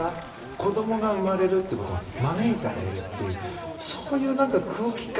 子どもが生まれるということを招いてあげるというそういう空気感